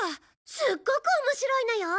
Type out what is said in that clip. すっごく面白いのよ！